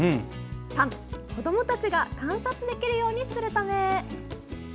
３、子どもたちが観察できるようにするため。